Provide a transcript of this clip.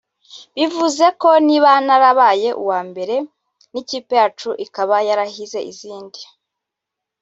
bivuze ko niba narabaye uwa mbere n’ikipe yacu ikaba yarahize izindi